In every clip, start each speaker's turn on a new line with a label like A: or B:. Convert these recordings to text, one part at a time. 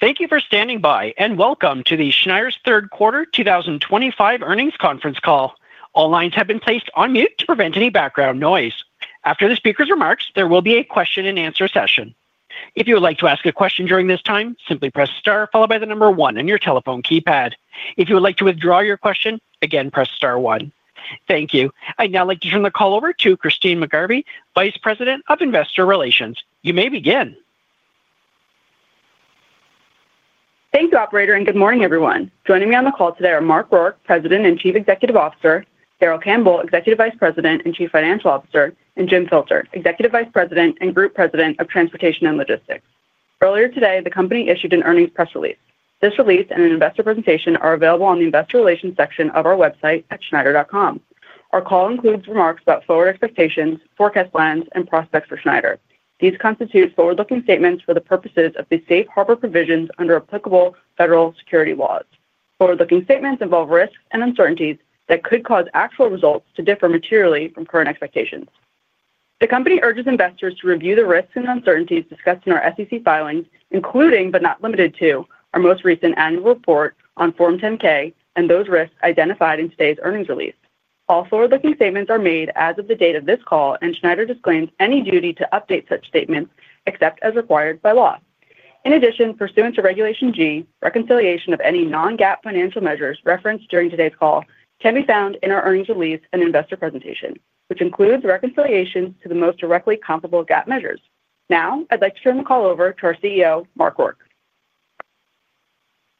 A: Thank you for standing by and welcome to the Schneider's third quarter 2025 earnings conference call. All lines have been placed on mute to prevent any background noise. After the speaker's remarks, there will be a question and answer session. If you would like to ask a question during this time, simply press star followed by the number one on your telephone keypad. If you would like to withdraw your question, again press star one. Thank you. I'd now like to turn the call over to Christyne McGarvey, Vice President of Investor Relations. You. You may begin.
B: Thank you, operator, and good morning everyone. Joining me on the call today are Mark Rourke, President and Chief Executive Officer, Darrell Campbell, Executive Vice President and Chief Financial Officer, and Jim Filter, Executive Vice President and Group President of Transportation and Logistics. Earlier today, the company issued an earnings press release. This release and an investor presentation are available on the Investor Relations section of our website at schneider.com. Our call includes remarks about forward expectations, forecast, forecast plans, and prospects for Schneider. These constitute forward-looking statements for the purposes of the safe harbor provisions under applicable federal securities laws. Forward-looking statements involve risks and uncertainties that could cause actual results to differ materially from current expectations. The company urges investors to review the risks and uncertainties discussed in our SEC filings, including but not limited to our most recent annual report on Form 10-K and those risks identified in today's earnings release. All forward-looking statements are made as of the date of this call, and Schneider disclaims any duty to update such statements except as required by law. In addition, pursuant to Regulation G, reconciliation of any non-GAAP financial measures referenced during today's call can be found in our earnings release and investor presentation, which includes reconciliation to the most directly comparable GAAP measures. Now I'd like to turn the call over to our CEO, Mark Rourke.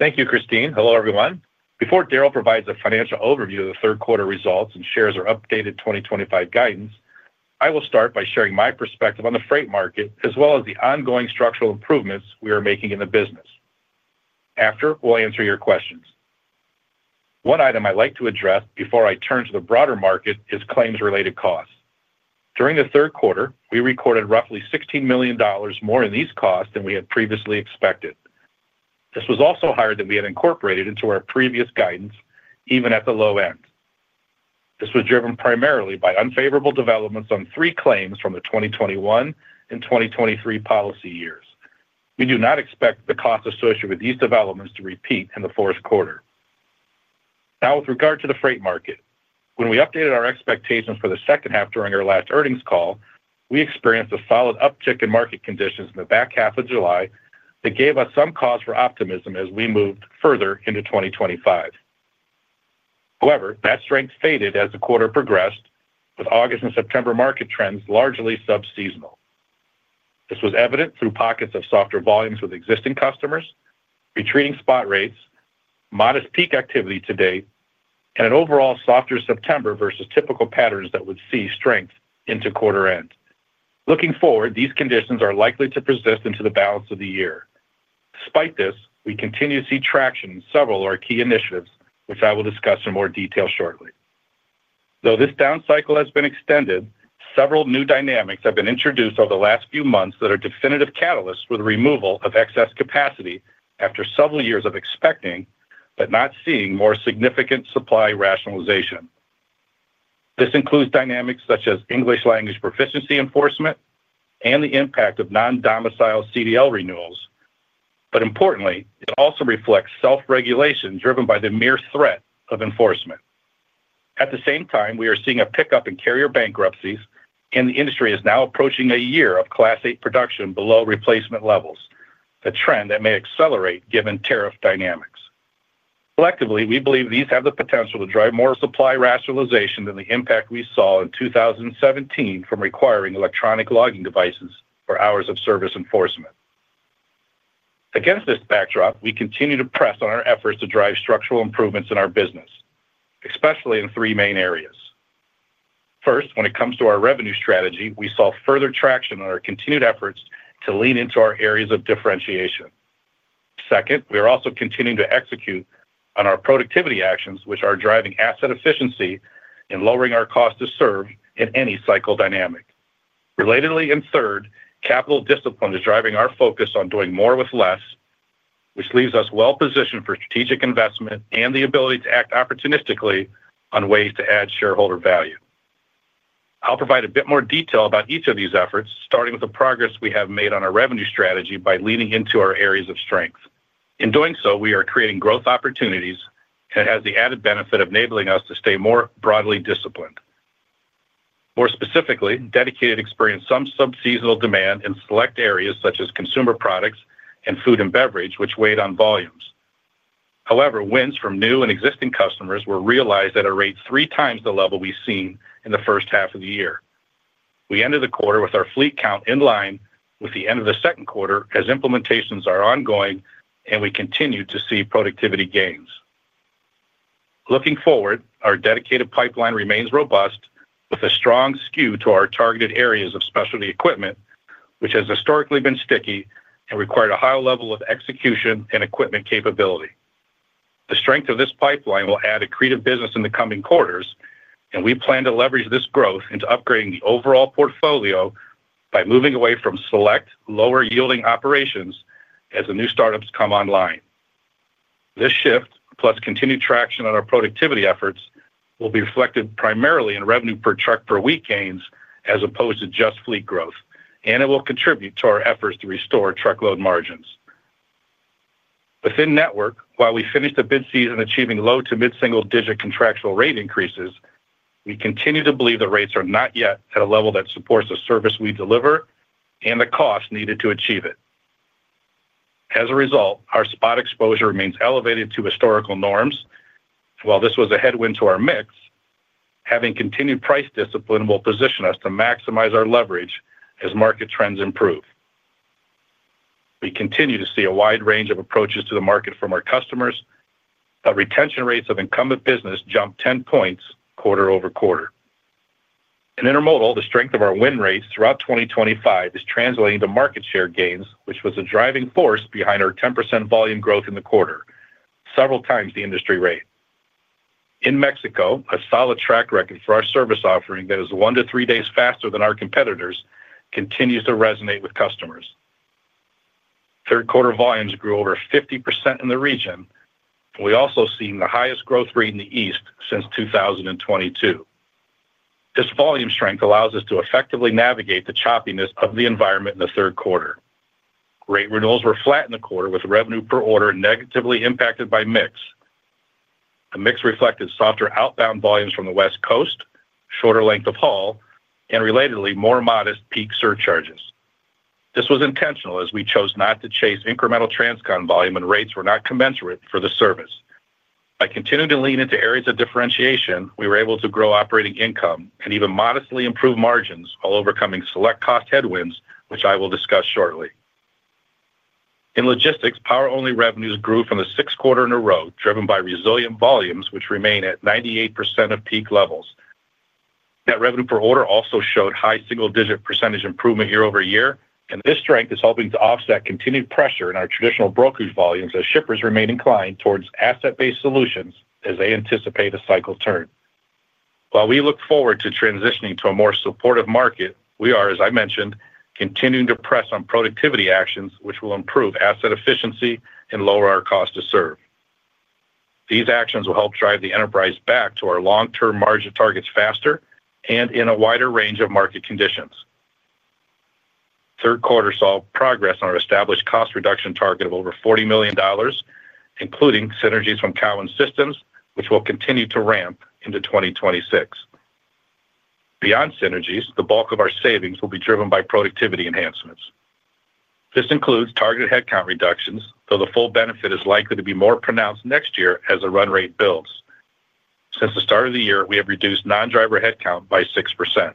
C: Thank you, Christyne. Hello everyone. Before Darrell provides a financial overview of the third quarter results and shares our updated 2025 guidance, I will start by sharing my perspective on the freight market as well as the ongoing structural improvements we are making in the business. After, we'll answer your questions. One item I'd like to address before I turn to the broader market is claims-related costs. During the third quarter, we recorded roughly $16 million more in these costs than we had previously expected. This was also higher than we had incorporated into our previous guidance. Even at the low end, this was driven primarily by unfavorable developments on three claims from the 2021 and 2023 policy years. We do not expect the cost associated with these developments to repeat in the fourth quarter. Now with regard to the freight market, when we updated our expectations for the second half during our last earnings call, we experienced a solid uptick in market conditions in the back half of July and that gave us some cause for optimism as we moved further into 2025. However, that strength faded as the quarter progressed, with August and September market trends largely sub-seasonal. This was evident through pockets of softer volumes with existing customers, retreating spot rates, modest peak activity to date, and an overall softer September versus typical patterns that would see strength into quarter end. Looking forward, these conditions are likely to persist into the balance of the year. Despite this, we continue to see traction in several of our key initiatives, which I will discuss in more detail shortly. Though this down cycle has been extended, several new dynamics have been introduced over the last few months that are definitive catalysts for the removal of excess capacity after several years of expecting but not seeing more significant supply-side rationalization. This includes dynamics such as English language proficiency enforcement and the impact of non-domicile CDL renewals, but importantly, it also reflects self-regulation driven by the mere threat of enforcement. At the same time, we are seeing a pickup in carrier bankruptcies and the industry is now approaching a year of Class 8 truck production below replacement levels, a trend that may accelerate given tariff considerations. Collectively, we believe these have the potential to drive more supply-side rationalization than the impact we saw in 2017 from requiring ELD mandate for hours of service enforcement. Against this backdrop, we continue to press on our efforts to drive structural improvements in our business, especially in three main areas. First, when it comes to our revenue strategy, we saw further traction on our continued efforts to lean into our areas of differentiation. Second, we are also continuing to execute on our productivity actions, which are driving asset efficiency and lowering our cost to serve in any cycle dynamic. Relatedly and third, capital discipline is driving our focus on doing more with less, which leaves us well positioned for strategic investment and the ability to act opportunistically on ways to add shareholder value. I'll provide a bit more detail about each of these efforts, starting with the progress we have made on our revenue strategy by leaning into our areas of strength. In doing so, we are creating growth opportunities, and it has the added benefit of enabling us to stay more broadly disciplined. More specifically, Dedicated experienced some sub-seasonal demand in select areas such as consumer products and food and beverage, which weighed on volumes. However, wins from new and existing customers were realized at a rate 3x the level we've seen in the first half of the year. We ended the quarter with our fleet count in line with the end of the second quarter as implementations are ongoing, and we continue to see productivity gains. Looking forward, our Dedicated pipeline remains robust with a strong skew to our targeted areas of specialty equipment, which has historically been sticky and required a high level of execution and equipment capability. The strength of this pipeline will add accretive business in the coming quarters, and we plan to leverage this growth into upgrading the overall portfolio by moving away from select lower-yielding operations as the new startups come online. This shift plus continued traction on our productivity efforts will be reflected primarily in revenue per truck per week gains as opposed to just fleet growth, and it will contribute to our efforts to restore truckload margins within network. While we finished the bid season achieving low to mid single digit contractual rate increases, we continue to believe the rates are not yet at a level that supports the service we deliver and the cost needed to achieve it. As a result, our spot exposure remains elevated to historical norms. While this was a headwind to our mix, having continued price discipline will position us to maximize our leverage as market trends improve. We continue to see a wide range of approaches to the market from our customers, but retention rates of incumbent business jumped 10 points quarter-over-quarter in Intermodal. The strength of our win rates throughout 2025 is translating to market share gains, which was a driving force behind our 10% volume growth in the quarter, several times the industry rate in Mexico. A solid track record for our service offering that is one to three days faster than our competitors continues to resonate with customers. Third quarter volumes grew over 50% in the region. We also have seen the highest growth rate in the eastern U.S. since 2022. This volume strength allows us to effectively navigate the choppiness of the environment. In the third quarter, rate renewals were flat in the quarter with revenue per order negatively impacted by mix. The mix reflected softer outbound volumes from the West Coast, shorter length of haul, and relatedly more modest peak surcharges. This was intentional as we chose not to chase incremental transcon volume and rates were not commensurate for the service. By continuing to lean into areas of differentiation, we were able to grow operating income and even modestly improve margins while overcoming select cost headwinds, which I will discuss shortly. In Logistics Power Only, revenues grew for the sixth quarter in a row driven by resilient volumes which remain at 98% of peak levels. Net revenue per order also showed high single digit percentage improvement year-over-year, and this strength is helping to offset continued pressure in our traditional brokerage volumes as shippers remain inclined towards asset-based solutions as they anticipate a cycle turn. While we look forward to transitioning to a more supportive market, we are, as I mentioned, continuing to press on productivity actions which will improve asset efficiency and lower our cost to serve. These actions will help drive the enterprise back to our long-term margin targets faster and in a wider range of market conditions. Third quarter saw progress on our established cost reduction target of over $40 million, including synergies from Cowan Systems, which will continue to ramp into 2026. Beyond synergies, the bulk of our savings will be driven by productivity enhancements. This includes targeted headcount reductions, though the full benefit is likely to be more pronounced next year as the run rate builds. Since the start of the year, we have reduced non-driver headcount by 6%.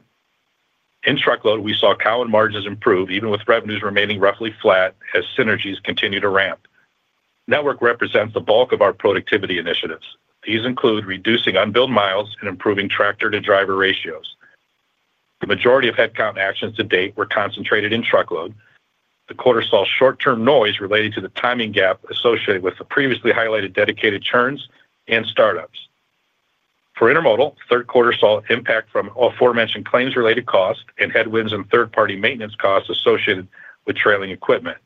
C: In truckload, we saw Cowan margins improve even with revenues remaining roughly flat as synergies continue to ramp. Network represents the bulk of our productivity initiatives. These include reducing unbilled miles and improving tractor-to-driver ratios. The majority of headcount actions to date were concentrated in truckload. The quarter saw short-term noise related to the timing gap associated with the previously highlighted Dedicated churns and startups for Intermodal. Third quarter saw impact from aforementioned claims-related costs and headwinds in third-party maintenance costs associated with trailing equipment.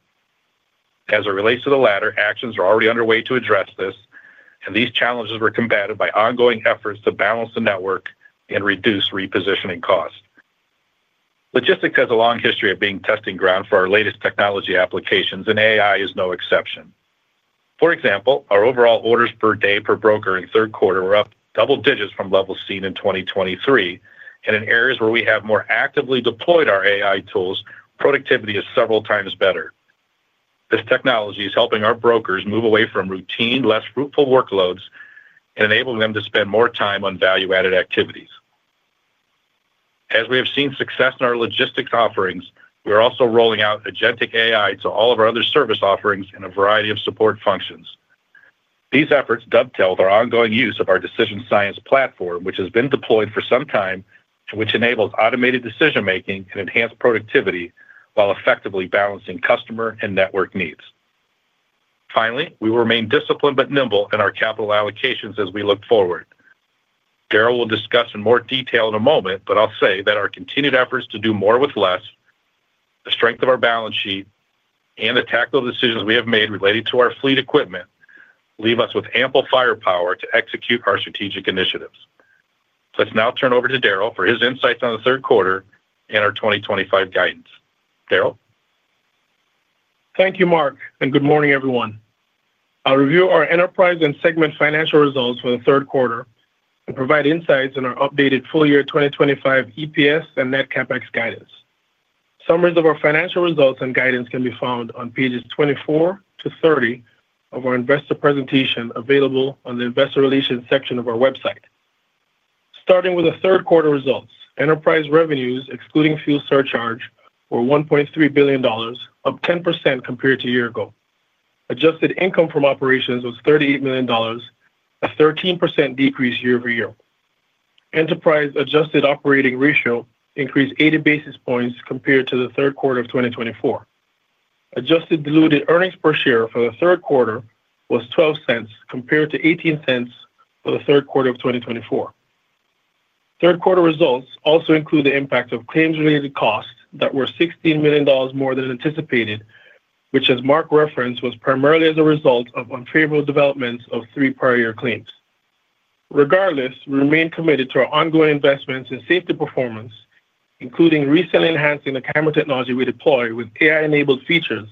C: As it relates to the latter, actions are already underway to address this, and these challenges were combated by ongoing efforts to balance the network and reduce repositioning costs. Logistics has a long history of being a testing ground for our latest technology applications, and AI is no exception. For example, our overall orders per day per broker in third quarter were up double digits from levels seen in 2023, and in areas where we have more actively deployed our AI tools, productivity is several times better. This technology is helping our brokers move away from routine, less fruitful workloads and enabling them to spend more time on value-added activities. As we have seen success in our Logistics offerings, we are also rolling out agentic AI to all of our other service offerings in a variety of support functions. These efforts dovetail their ongoing use of our decision science platform, which has been deployed for some time, which enables automated decision making and enhanced productivity while effectively balancing customer and network needs. Finally, we will remain disciplined but nimble in our capital allocations as we look forward. Darrell will discuss in more detail in a moment, but I'll say that our continued efforts to do more with less, the strength of our balance sheet, and the tactical decisions we have made related to our fleet equipment leave us with ample firepower to execute our strategic initiatives. Let's now turn over to Darrell for his insights on the third quarter and our 2025 guidance. Darrell?
D: Thank you, Mark, and good morning everyone. I'll review our enterprise and segment financial results for the third quarter and provide insights on our updated full year 2025 EPS and net CapEx guidance. Summaries of our financial results and guidance can be found on pages 24-30 of our investor presentation available on the Investor Relations section of our website. Starting with the third quarter results, enterprise revenues excluding fuel surcharge were $1.3 billion, up 10% compared to a year ago. Adjusted income from operations was $38 million, a 13% decrease year-over-year. Enterprise adjusted operating ratio increased 80 basis points compared to the third quarter of 2024. Adjusted diluted earnings per share for the third quarter was $0.12 compared to $0.18 for the third quarter of 2024. Third quarter results also include the impact of claims-related costs that were $16 million more than anticipated, which, as Mark referenced, was primarily as a result of unfavorable developments of three prior year claims. Regardless, we remain committed to our ongoing investments in safety performance, including recently enhancing the camera technology we deploy with AI-enabled features,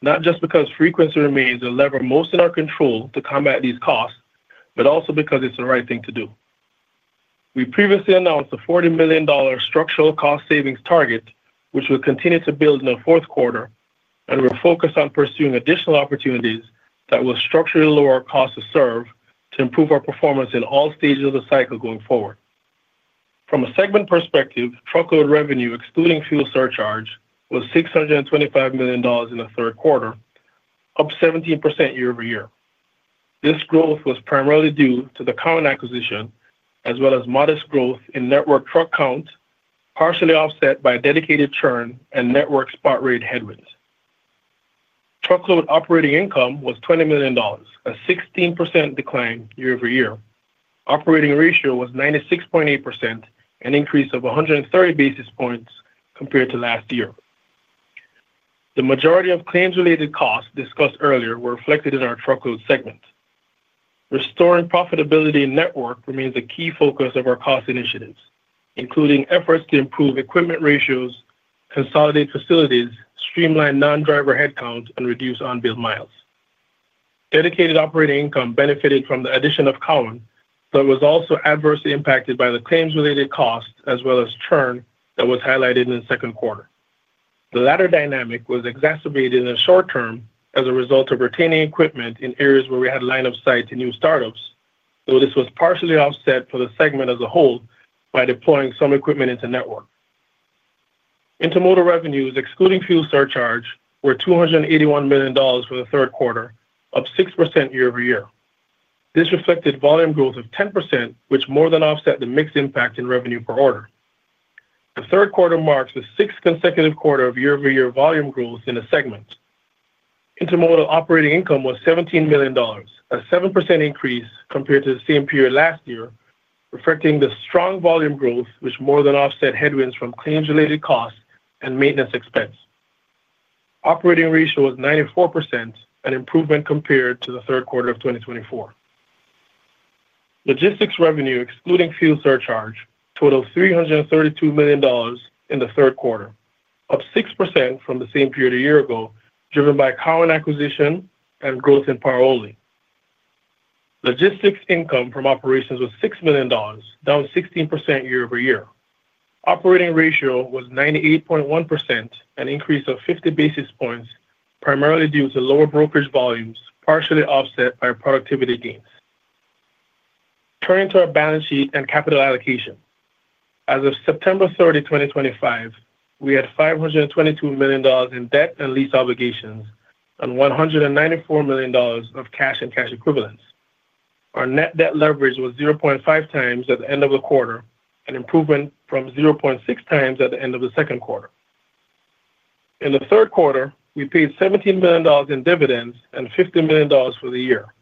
D: not just because frequency remains a lever most in our control to combat these costs, but also because it's the right thing to do. We previously announced a $40 million structural cost savings target, which will continue to build in the fourth quarter, and we're focused on pursuing additional opportunities that will structurally lower cost to serve to improve our performance in all stages of the cycle going forward. From a segment perspective, truckload revenue excluding fuel surcharge was $625 million in the third quarter, up 17% year-over-year. This growth was primarily due to the Cowan acquisition as well as modest growth in network truck count, partially offset by Dedicated churn and network spot rate headwinds. Truckload operating income was $20 million, a 16% decline year-over-year. Operating ratio was 96.8%, an increase of 130 basis points compared to last year. The majority of claims-related costs discussed earlier were reflected in our truckload segment. Restoring profitability in network remains a key focus of our cost initiatives, including efforts to improve equipment ratios, consolidate facilities, streamline non-driver headcount, and reduce on-bill miles. Dedicated operating income benefited from the addition of Cowan but was also adversely impacted by the claims-related costs as well as churn that was highlighted in the second quarter. The latter dynamic was exacerbated in the short term as a result of retaining equipment in areas where we had line of sight to new startups, though this was partially offset for the segment as a whole by deploying some equipment into network. Intermodal revenues excluding fuel surcharge were $281 million for the third quarter, up 6% year-over-year. This reflected volume growth of 10%, which more than offset the mixed impact in revenue per order. The third quarter marks the sixth consecutive quarter of year-over-year volume growth in the segment. Intermodal operating income was $17 million, a 7% increase compared to the same period last year, reflecting the strong volume growth which more than offset headwinds from claims-related costs and maintenance expense. Operating ratio was 94%, an improvement compared to the third quarter of 2024. Logistics revenue excluding fuel surcharge totaled $332 million in the third quarter, up 6% from the same period a year ago driven by Cowan acquisition and growth in Power Only. Logistics income from operations was $6 million, down 16% year-over-year. Operating ratio was 98.1%, an increase of 50 basis points primarily due to lower brokerage volumes, partially offset by productivity gains. Turning to our balance sheet and capital allocation, as of September 30, 2025, we had $522 million in debt and lease obligations and $194 million of cash and cash equivalents. Our net debt leverage was 0.5x at the end of the quarter, an improvement from 0.6x at the end of the second quarter. In the third quarter we paid $17 million in dividends and $50 million for the year.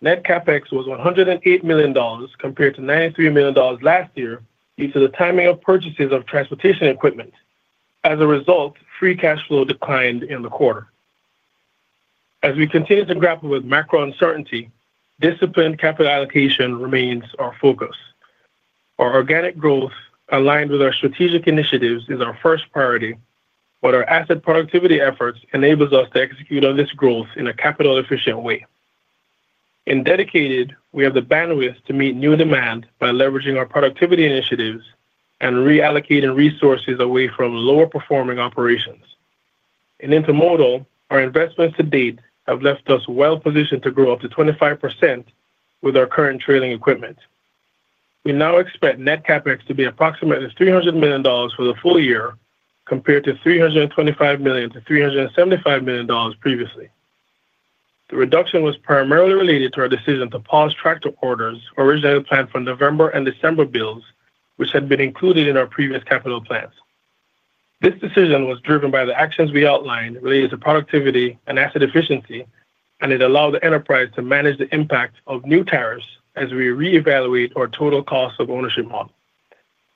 D: Net CapEx was $108 million compared to $93 million last year due to the timing of purchases of transportation equipment. As a result, free cash flow declined in the quarter. As we continue to grapple with macro uncertainty, disciplined capital allocation remains our focus. Our organic growth aligned with our strategic initiatives is our first priority, but our asset productivity efforts enable us to execute on this growth in a capital efficient way. In Dedicated we have the bandwidth to meet new demand by leveraging our productivity initiatives and reallocating resources away from lower performing operations in Intermodal. Our investments to date have left us well positioned to grow up to 25% with our current trailing equipment. We now expect net CapEx to be approximately $300 million for the full year compared to $325 million-$375 million previously. The reduction was primarily related to our decision to pause tractor orders originally planned for November and December, bills which had been included in our previous capital plans. This decision was driven by the actions we outlined related to productivity and asset efficiency, and it allowed the enterprise to manage the impact of new tariffs as we reevaluate our total cost of ownership model.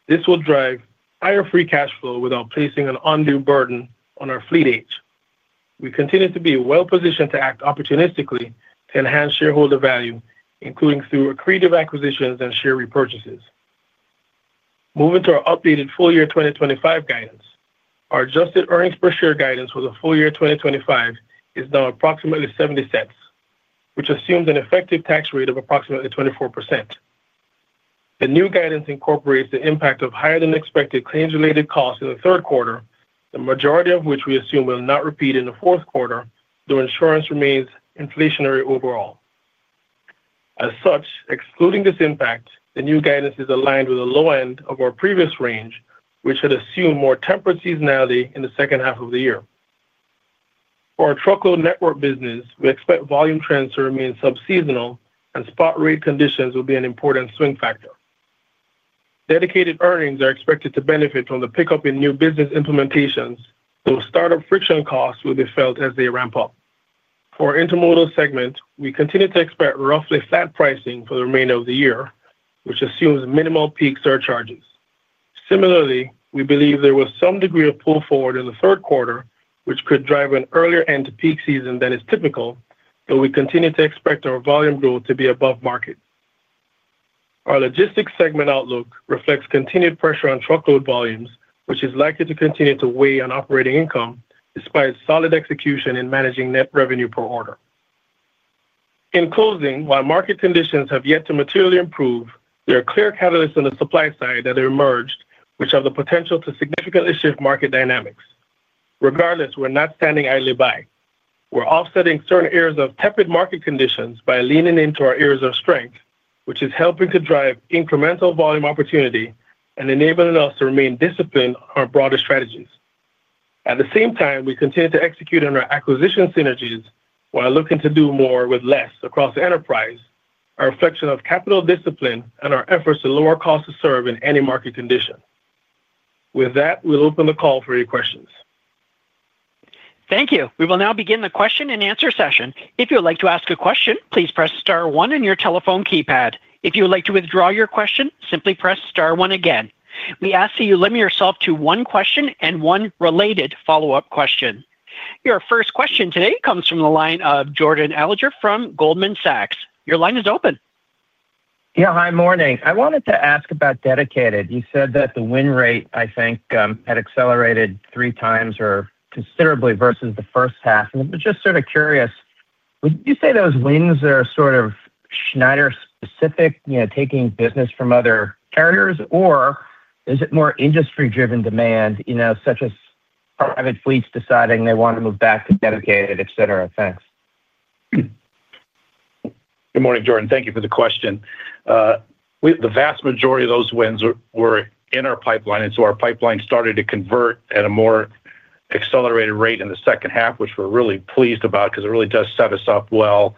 D: This will drive higher free cash flow without placing an undue burden on our fleet age. We continue to be well positioned to act opportunistically to enhance shareholder value, including through accretive acquisitions and share repurchases. Moving to our updated full year 2025 guidance, our adjusted earnings per share guidance for the full year 2025 is now approximately $0.70 which assumes an effective tax rate of approximately 24%. The new guidance incorporates the impact of higher than expected claims-related costs in the third quarter, the majority of which we assume will not repeat in the fourth quarter, though insurance remains inflationary overall. As such, excluding this impact, the new guidance is aligned with the low end of our previous range which had assumed more temperate seasonality in the second half of the year. For our truckload network business, we expect volume trends to remain sub seasonal and spot rate conditions will be an important swing factor. Dedicated earnings are expected to benefit from the pickup in new business implementations, though startup friction costs will be felt as they ramp up. For Intermodal segment, we continue to expect roughly flat pricing for the remainder of the year which assumes minimal peak surcharges. Similarly, we believe there was some degree of pull forward in the third quarter which could drive an earlier end to peak season than is typical. Though we continue to expect our volume growth to be above market. Our Logistics segment outlook reflects continued pressure on truckload volumes which is likely to continue to weigh on operating income despite solid execution in managing net revenue per order. In closing, while market conditions have yet to materially improve, there are clear catalysts on the supply side that have emerged which have the potential to significantly shift market dynamics. Regardless, we're not standing idly by. We're offsetting certain areas of tepid market conditions by leaning into our areas of strength, which is helping to drive incremental volume opportunity and enabling us to remain disciplined on broader strategies. At the same time, we continue to execute on our acquisition synergies while looking to do more with less across the enterprise, a reflection of capital discipline and our efforts to lower cost to serve in any market condition. With that, we'll open the call for your questions.
A: Thank you. We will now begin the question and answer session. If you would like to ask a question, please press star one on your telephone keypad. If you would like to withdraw your question, simply press star one. Again, we ask that you limit yourself to one question and one related follow up question. Your first question today comes from the line of Jordan Alliger from Goldman Sachs. Your line is open.
E: Yeah. Hi. Morning. I wanted to ask about Dedicated. You said that the win rate, I think, had accelerated 3x or considerably versus the first half. Just sort of curious, would you say those wins are sort of Schneider specific, you know, taking business from other carriers, or is it more industry driven demand, you know, such as private fleets deciding they want to move back to Dedicated, et cetera. Thanks.
C: Good morning, Jordan. Thank you for the question. The vast majority of those wins were in our pipeline. Our pipeline started to convert at a more accelerated rate in the second half, which we're really pleased about because it really does set us up well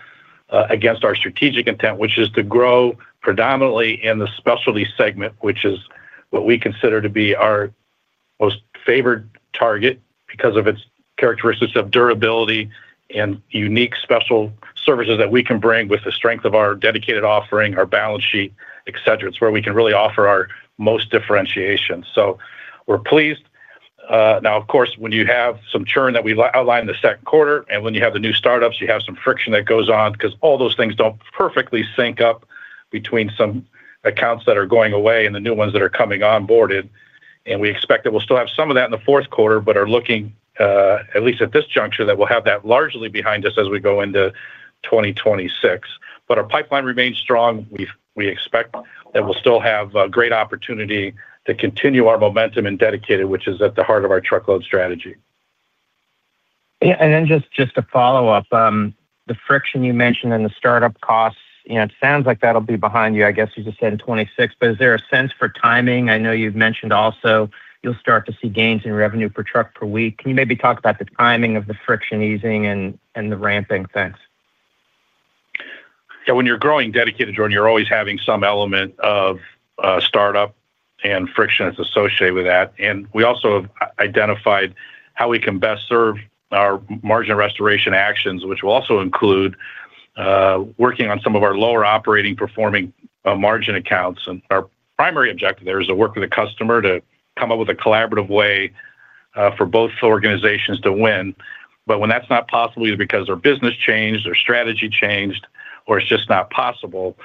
C: against our strategic intent, which is to grow predominantly in the specialty segment, which is what we consider to be our most favored target because of its characteristics of durability and unique special services that we can bring with the strength of our Dedicated offering, our balance sheet, et cetera. It's where we can really offer our most differentiation. We're pleased. Of course, when you have some churn that we outlined in the second quarter and when you have the new startups, you have some friction that goes on because all those things don't perfectly sync up between some accounts that are going away and the new ones that are coming onboarded. We expect that we'll still have some of that in the fourth quarter, but are looking at least at this juncture that we'll have that largely behind us as we go into 2026. Our pipeline remains strong. We expect that we'll still have great opportunity to continue our momentum in Dedicated, which is at the heart of our truckload strategy.
E: Just a follow up, the friction you mentioned in the startup costs, it sounds like that'll be behind you. I guess you just said in 2026, but is there a sense for timing? I know you've mentioned also you'll start to see gains in revenue per truck per week. Can you maybe talk about the timing of the friction easing and the ramping? Thanks.
C: When you're growing Dedicated, Jordan, you're always having some element of startup and friction that's associated with that. We also identified how we can best serve our margin restoration actions, which will also include working on some of our lower operating performing margin accounts. Our primary objective there is to work with the customer to come up with a collaborative way for both organizations to win. When that's not possible, either because their business changed, their strategy changed, or it's just not possible,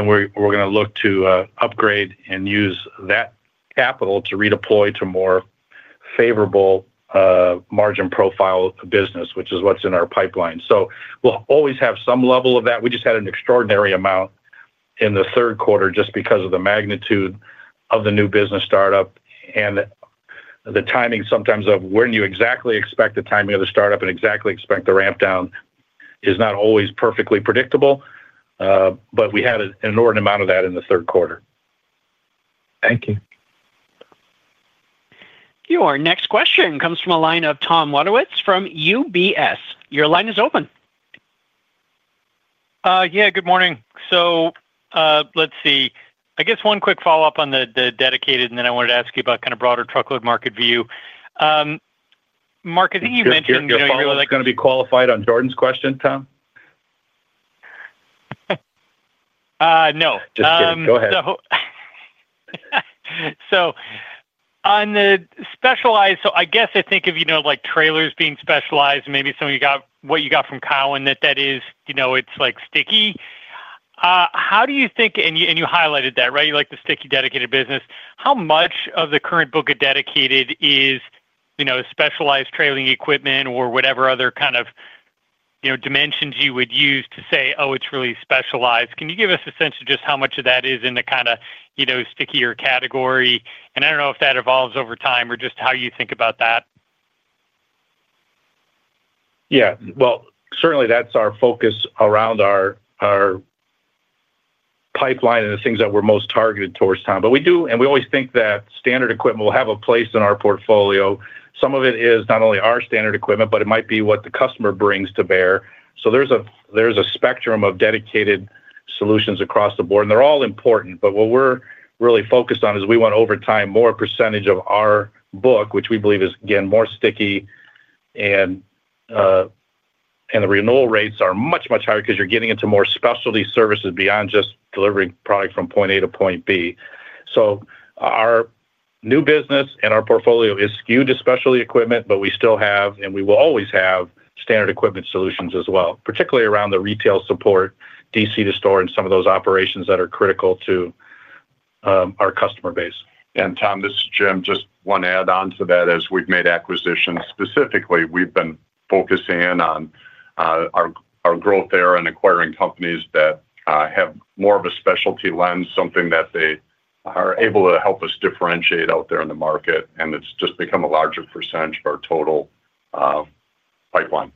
C: we're going to look to upgrade and use that capital to redeploy to more favorable margin profile business, which is what's in our pipeline. We'll always have some level of that. We just had an extraordinary amount in the third quarter because of the magnitude of the new business startup and the timing sometimes of when you exactly expect the timing of the startup and exactly expect the ramp down is not always perfectly predictable. We had an inordinate amount of that in the third quarter.
E: Thank you.
A: Your next question comes from a line of Tom Wadewitz from UBS. Your line is open.
F: Good morning. I guess one quick follow up on the Dedicated and then I wanted to ask you about kind of broader truckload market view. Mark, I think you mentioned,
C: To be qualified on Jordan's question, Tom?
F: No.
C: Just kidding. Go ahead.
F: I think of, you know, like trailers being specialized. Maybe some of what you got from Cowan, that is, you know, it's like sticky. How do you think? You highlighted that, right? You like the sticky Dedicated business. How much of the current book of Dedicated is, you know, specialized trailing equipment or whatever other kind of, you know, dimensions you would use to say, oh, it's really specialized. Can you give us a sense of? Just how much of that is in the kind of, you know, stickier category? I don't know if that evolves over time or just how you think about that.
C: Yeah, that's our focus around our pipeline and the things that we're most targeted towards, Tom. We do and we always think that standard equipment will have a place in our portfolio. Some of it is not only our standard equipment, but it might be what the customer brings to bear. There's a spectrum of Dedicated solutions across the board and they're all important. What we're really focused on is we want over time more percentage of our book, which we believe is again more sticky. The renewal rates are much, much higher because you're getting into more specialty services beyond just delivering product from point A to point B. Our new business and our portfolio is skewed, especially equipment. We still have, and we will always have, standard equipment solutions as well, particularly around the retail support, DC to store, and some of those operations that are critical to our customer base.
G: Tom, this is Jim, just one add on to that. As we've made acquisitions, specifically we've been focusing in on our growth there and acquiring companies that have more of a specialty lens, something that they are able to help us differentiate out there in the market. It's just become a larger percentage of our total pipeline.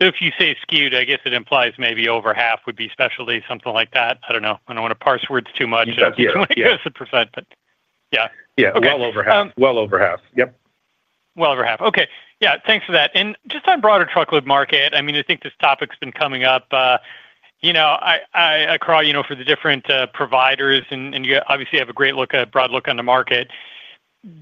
F: If you say skewed, I guess it implies maybe over half would be specialty, something like that. I don't know. I don't want to.
C: Yeah, well over half. Well over half. Yep.
F: Over half. Okay. Yeah, thanks for that. Just on broader truckload market, I think this topic's been coming up for the different providers and you obviously have a great look at broad look on the market.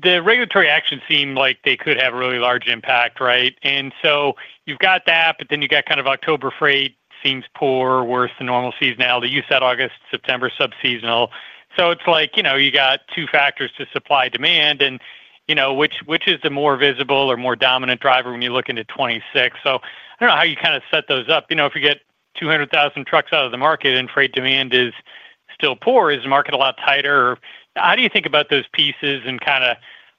F: The regulatory actions seem like they could have a really large impact, right. You've got that, but then you got kind of October freight seems poor, worse than normal seasonality. You said August, September, sub seasonal. It's like you got two factors to supply demand and which is the more visible or more dominant driver when you look into 2026. I don't know how you kind of set those up. If you get 200,000 trucks out of the market and freight demand is still poor, is the market a lot tighter? How do you think about those pieces and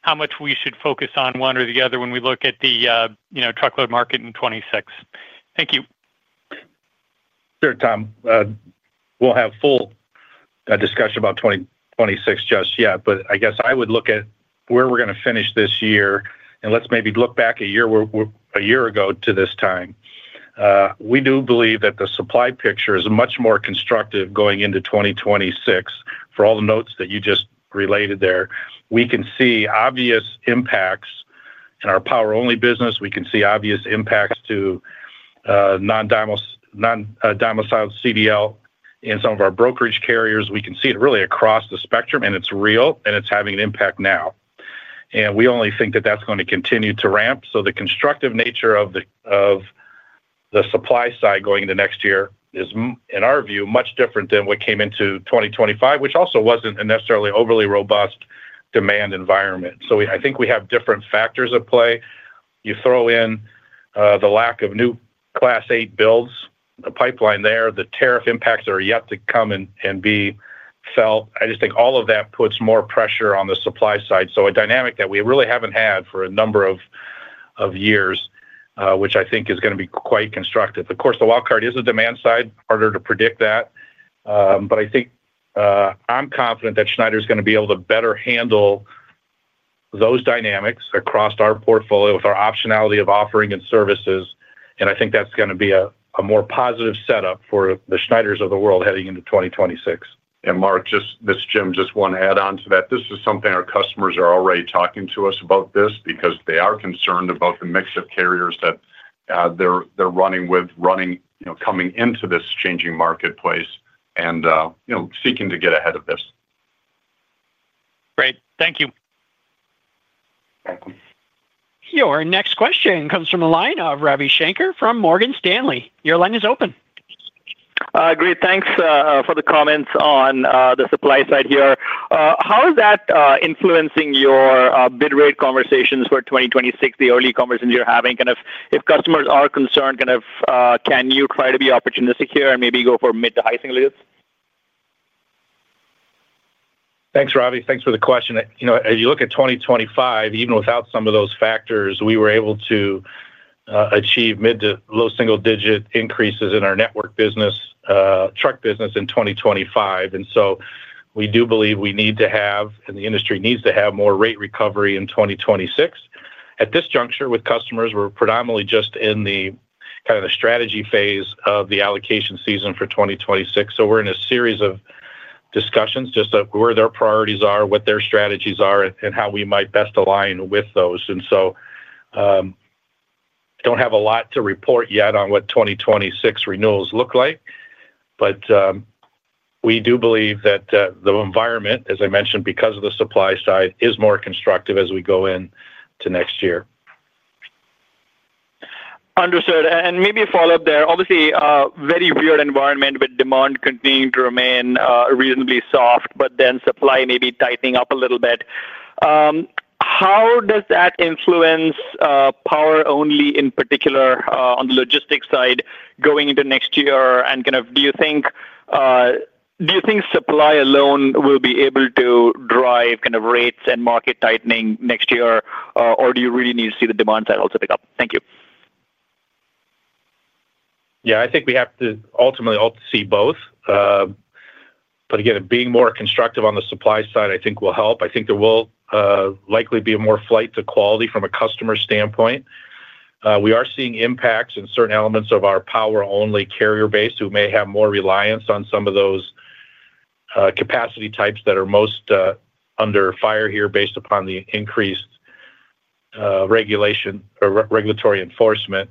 F: how much we should focus on one or the other when we look at the truckload market in 2026. Thank you.
C: There, Tom. We'll have full discussion about 2026 just yet. I would look at where we're going to finish this year and let's maybe look back a year ago to this time. We do believe that the supply picture is much more constructive going into 2026. For all the notes that you just related there, we can see obvious impacts in our Power Only business. We can see obvious impacts to non-domiciled CDL in some of our brokerage carriers. We can see it really across the spectrum and it's real and it's having an impact now and we only think that that's going to continue to ramp. The constructive nature of the supply side going into next year is in our view much different than what came into 2025, which also wasn't a necessarily overly robust demand environment. I think we have different factors at play. You throw in the lack of new Class 8 truck builds, the pipeline there, the tariff impacts are yet to come and be felt. I think all of that puts more pressure on the supply side. A dynamic that we really haven't had for a number of years, which I think is going to be quite constructive. Of course, the wildcard is a demand side, harder to predict that. I think I'm confident that Schneider. is going to be able to better handle those dynamics across our portfolio with our optionality of offering and services. I think that's going to be a more positive setup for the Schneiders of the world heading into 2026.
G: Mark, this is Jim. I just want to add on to that. This is something our customers are already talking to us about because they are concerned about the mix of carriers that they're running with, coming into this changing marketplace and seeking to get ahead of this.
F: Great, thank you.
A: Your next question comes from the line of Ravi Shankar from Morgan Stanley. Your line is open.
H: Great. Thanks for the comments on the supply side here. How is that influencing your bid rate conversations for 2026, the early conversations you're having? If customers are concerned, can you try to be opportunistic here and maybe go for mid to high single?
C: Thanks, Ravi. Thanks for the question. As you look at 2025, even without some of those factors, we were able to achieve mid to low single digit increases in our network business truck business in 2025. We do believe we need to have, and the industry needs to have, more rate recovery in 2026. At this juncture with customers, we're predominantly just in the strategy phase of the allocation season for 2026. We're in a series of discussions just where their priorities are, what their strategies are, and how we might best align with those. Don't have a lot to report yet on what 2026 renewals look like. We do believe that the environment, as I mentioned, because of the supply side, is more constructive as we go into next year.
H: Understood. Maybe a follow up there. Obviously very weird environment with demand continue to remain reasonably soft, but then supply may be tightening up a little bit. How does that influence power? Only in particular on the Logistics side going into next year, do you think supply alone will be able to drive rates and market tightening next year or do you really need to see the demand side also? Thank you.
C: Yeah, I think we have to ultimately see both. Again, being more constructive on the supply side I think will help. I think there will likely be more flight to quality from a customer standpoint. We are seeing impacts in certain elements of our Power Only carrier base who may have more reliance on some of those capacity types that are most under fire here based upon the increased regulation or regulatory enforcement.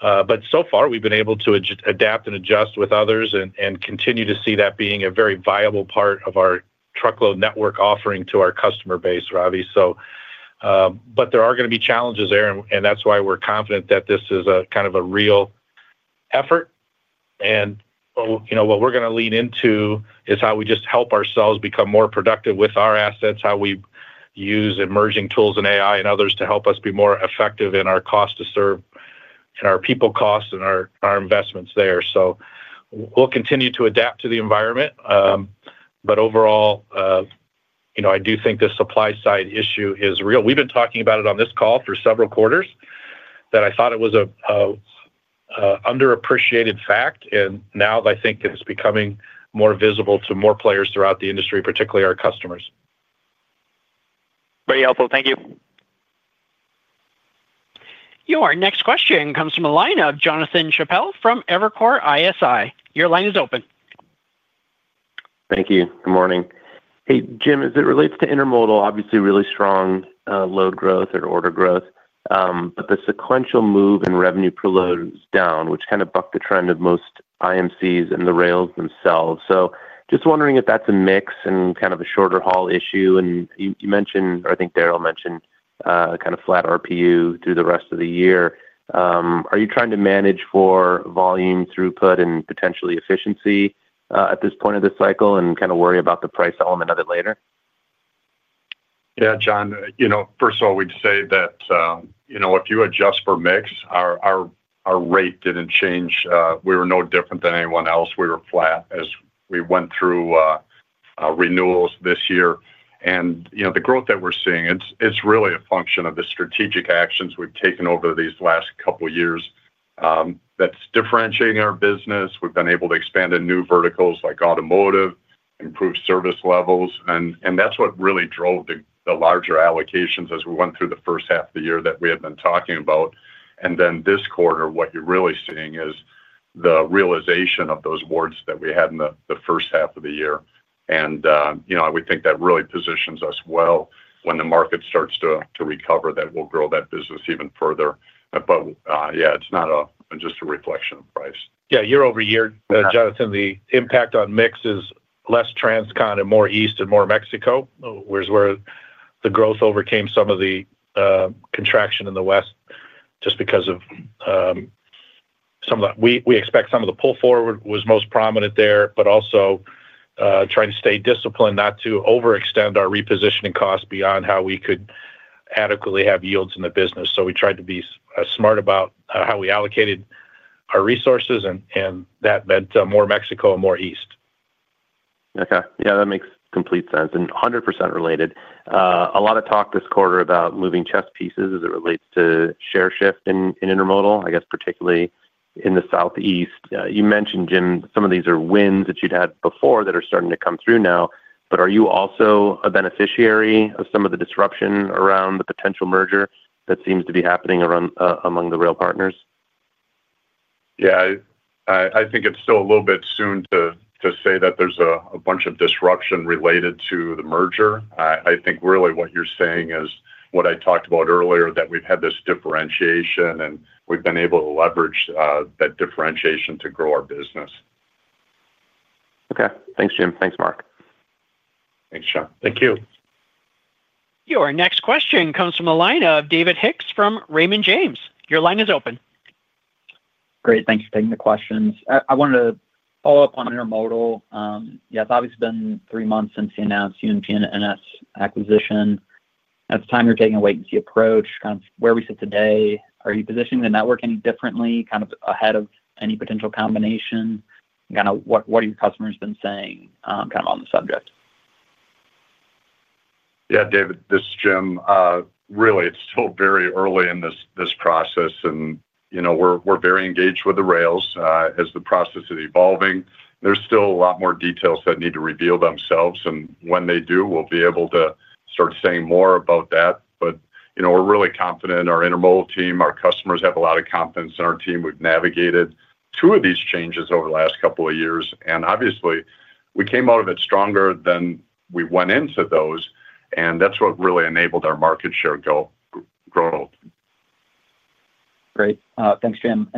C: So far we've been able to adapt and adjust with others and continue to see that being a very viable part of our truckload network offering to our customer base. There are going to be challenges there and that's why we're confident that this is a kind of a real effort. What we're going to lean into is how we just help ourselves become more productive with our assets, how we use emerging tools in AI and others to help us be more effective in our cost to serve, in our people costs, and our investments there. We'll continue to adapt to the environment. Overall, I do think the supply side issue is real. We've been talking about it on this call for several quarters that I thought it was an underappreciated fact and now I think it's becoming more visible to more players throughout the industry, particularly our customers.
H: Very helpful, thank you.
A: Your next question comes from the line of Jonathan Chappell from Evercore ISI. Your line is open.
I: Thank you. Good morning. Hey, Jim. As it relates to Intermodal, obviously really strong load growth or order growth, but the sequential move in revenue per load is down, which kind of bucked the trend of most IMCs and the rails themselves. Just wondering if that's a mix and kind of a shorter haul issue. You mentioned, I think Darrell mentioned kind of flat RPU through the rest of the year. Are you trying to manage for volume, throughput, and potentially efficiency at this point of the cycle and kind of worry about the price element of it later?
G: Yeah, Jon, first of all, we'd say that if you adjust for mix, our rate didn't change. We were no different than anyone else. We were flat as we went through renewals this year. The growth that we're seeing is really a function of the strategic actions we've taken over these last couple years that's differentiating our business. We've been able to expand in new verticals like automotive, improve service levels, and that's what really drove the larger allocations as we went through the first half of the year that we had been talking about. This quarter, what you're really seeing is the realization of those awards that we had in the first half of the year. We think that really positions us well when the market starts to recover that we'll grow that business even further. It's not just a reflection of price.
C: Yeah. Year-over-year. Jonathan, the impact on mix is less Transcon and more east and more Mexico. Whereas where the growth overcame some of the contraction in the west, just because of some of. We expect some of the pull forward was most prominent there, but also trying to stay disciplined, not to overextend our repositioning costs beyond how we could adequately have yields in the business. We tried to be smart about how we allocated our resources, and that meant more Mexico and more east.
I: Okay, yeah, that makes complete sense and 100% related. A lot of talk this quarter about moving chess pieces as it relates to share shift in Intermodal, I guess, particularly in the Southeast. You mentioned, Jim, some of these are wins that you'd had before that are starting to come through now. Are you also a beneficiary of some of the disruption around the potential merger that seems to be happening among the rail partners?
G: I think it's still a little bit soon to say that there's a bunch of disruption related to the merger. I think really what you're seeing is what I talked about earlier, that we've had this differentiation and we've been able to leverage that differentiation to grow our business.
I: Okay, thanks, Jim. Thanks, Mark.
G: Thanks, Jon.
C: Thank you.
A: Your next question comes from the line of David Hicks from Raymond James. Your line is open.
J: Great. Thanks for taking the questions. I wanted to follow up on Intermodal. Yeah, it's obviously been three months since the announced UNP and NSC acquisition. At the time, you're taking a wait and see approach, kind of where we sit today. Are you positioning the network any differently? Ahead of any potential combination, what have your customers been saying on the subject?
G: Yeah. David, this is Jim, really, it's still very early in this process and you know, we're very engaged with the rails. As the process is evolving, there's still a lot more details that need to reveal themselves, and when they do, we'll be able to start saying more about that. You know, we're really confident our Intermodal team, our customers have a lot of confidence in our team. We've navigated two of these changes over the last couple of years, and obviously we came out of it stronger than we went into those, and that's what really enabled our market share growth.
J: Great. Thanks, Jim.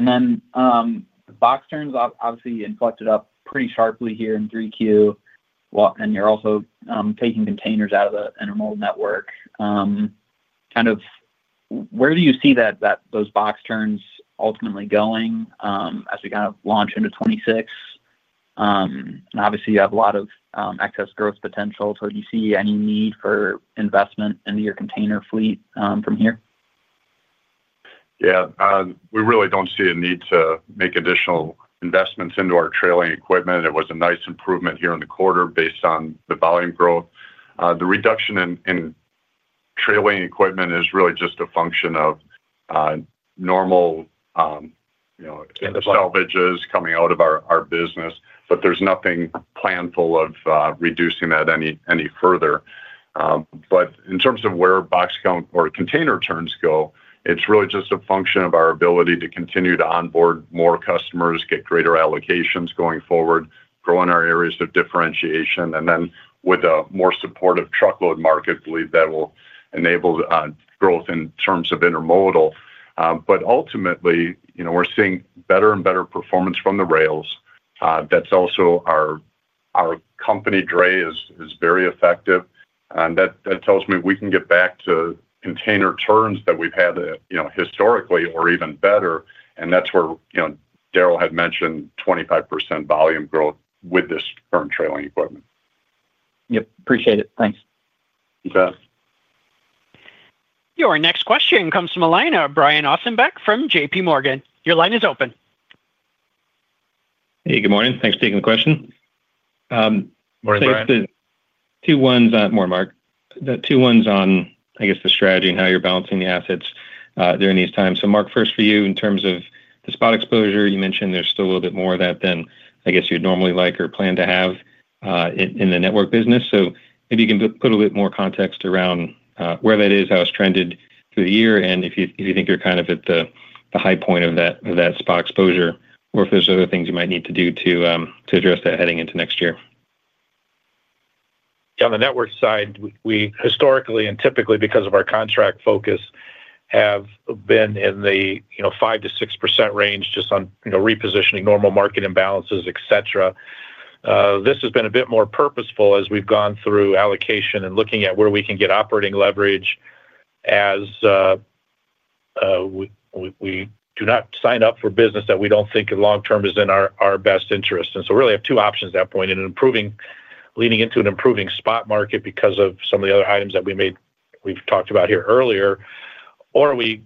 J: Box terms obviously inflected up pretty sharply here in Q3, and you're also taking containers out. The Intermodal network. Where do you see those box turns ultimately going as we kind of launch into 2026? Obviously, you have a lot of excess growth potential. Do you see any need for— Investment into your container fleet from here?
G: Yeah, we really don't see a need to make additional investments into our trailing equipment. It was a nice improvement here in the quarter based on the volume growth. The reduction in trailing equipment is really just a function of normal salvages coming out of our business. There's nothing planful of reducing that any further. In terms of where box count or container turns go, it's really just a function of our ability to continue to onboard more customers, get greater allocations going forward, grow in our areas of differentiation, and with a more supportive truckload market, believe that will enable growth in terms of Intermodal. Ultimately, we're seeing better and better performance from the rails. Our company Dray is very effective and that tells me we can get back to container turns that we've had historically or even better. That's where Darrell had mentioned 25% volume growth with this current trailing equipment.
J: Yep. Appreciate it. Thanks.
A: Your next question comes from Brian Ossenbeck from JPMorgan. Your line is open.
K: Hey, good morning. Thanks for taking the question. Two ones more, Mark. The two ones on, I guess, the strategy and how you're balancing the assets during these times. Mark, first for you, in terms of the spot exposure you mentioned, there's still a little bit more of that than I guess you'd normally like or plan to have in the network business. Maybe you can put a bit more context around where that is, how it's trended through the year, and if you think you're kind of at the high point of that spot exposure, or if there's other things you might need to do to address that heading into next year.
C: On the network side, we historically and typically, because of our contract focus, have been in the 5%-6% range just on, you know, repositioning normal market imbalances, et cetera. This has been a bit more purposeful as we've gone through allocation and looking at where we can get operating leverage as we do not sign up for business that we don't think long term is in our best interest and really have two options at that point in improving, leading into an improving spot market because of some of the other items that we made we've talked about here earlier, or we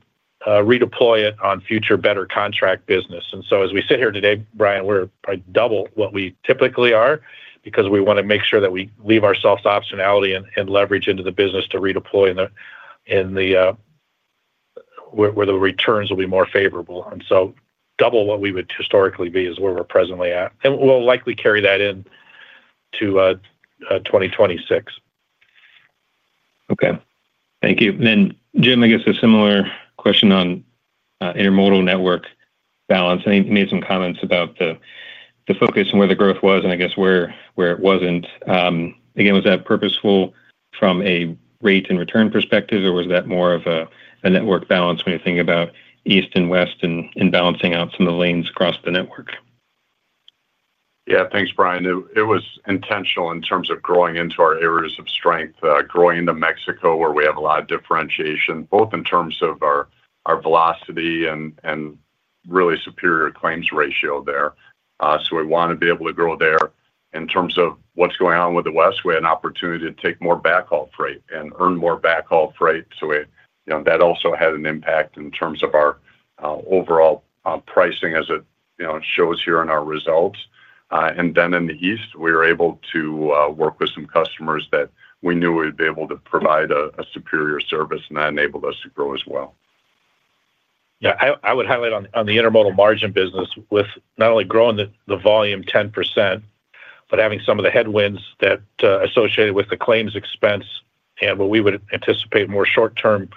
C: redeploy it on future better contract business. As we sit here today, Brian, we're double what we typically are because we want to make sure that we leave ourselves to optionality and leverage into the business to redeploy in where the returns will be more favorable, and double what we would historically be is where we're presently at and we'll likely carry that into 2026.
K: Okay, thank you. Jim, I guess a similar question on Intermodal network balance and you made some comments about the focus and where the growth was and I guess where it wasn't. Again, was that purposeful from a rate and return perspective or was that more of a network balance when you think about east and west and balancing out some of the lanes across the network?
G: Yeah, thanks Brian. It was intentional in terms of growing into our areas of strength, growing into Mexico where we have a lot of differentiation both in terms of our velocity and really superior claims ratio there. We want to be able to grow there. In terms of what's going on with the west, we had an opportunity to take more backhaul freight and earn more backhaul freight. That also had an impact in terms of our overall pricing as it shows here in our results. In the east, we were able to work with some customers that we knew we'd be able to provide a superior service and that enabled us to grow as well.
C: Yeah, I would highlight on the Intermodal margin business with not only growing the volume 10% but having some of the headwinds that are associated with the claims expense and what we would anticipate as more short-term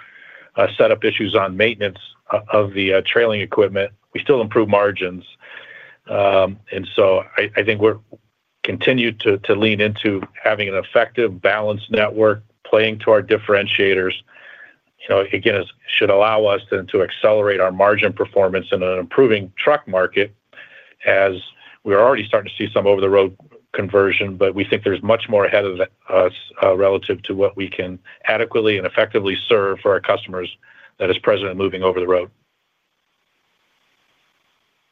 C: set up issues on maintenance of the trailing equipment. We still improve margins, and I think we continue to lean into having an effective, balanced network. Playing to our differentiators, you know, again, should allow us to accelerate our margin performance in an improving truck market as we're already starting to see some over-the-road conversion. We think there's much more ahead of the U.S. relative to what we can adequately and effectively serve for our customers that is present in moving over the road.